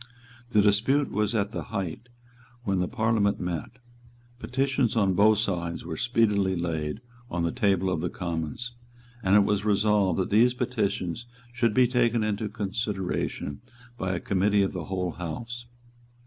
The dispute was at the height when the Parliament met. Petitions on both sides were speedily laid on the table of the Commons; and it was resolved that these petitions should be taken into consideration by a Committee of the whole House.